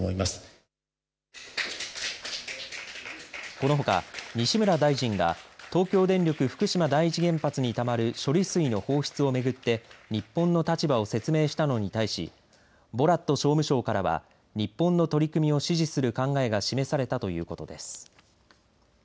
このほか西村大臣が東京電力福島第一原発にたまる処理水の放出を巡って日本の立場を説明したのに対しボラット商務相からは日本の取り組みを支持する考えが示されたということです。